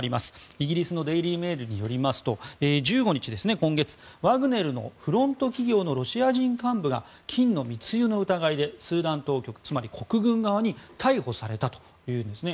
イギリスのデイリー・メールによりますと今月１５日、ワグネルのフロント企業のロシア人幹部が金の密輸の疑いでスーダン当局、つまり国軍側に逮捕されたというんですね。